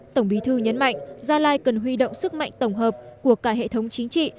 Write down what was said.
tổng bí thư nhấn mạnh gia lai cần huy động sức mạnh tổng hợp của cả hệ thống chính trị